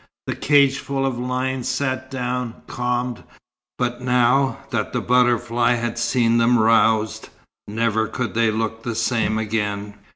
The cageful of lions sat down, calmed, but now that the butterfly had seen them roused, never could they look the same again.